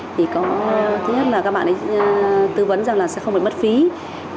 thứ nhất là các bạn ý tư vấn rằng là sẽ không phải mất phí